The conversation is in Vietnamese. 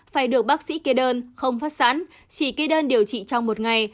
phải được bác sĩ kê đơn không phát sẵn chỉ kê đơn điều trị trong một ngày